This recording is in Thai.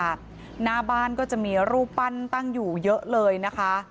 หน้าบ้านก็จะมีรูปปั้นตั้งอยู่เยอะเลยนะคะ